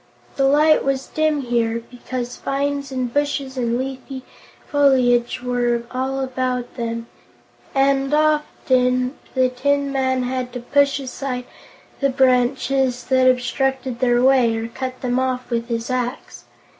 The light was dim here, because vines and bushes and leafy foliage were all about them, and often the Tin Man had to push aside the branches that obstructed their way, or cut them off with his axe.